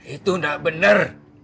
itu gak bener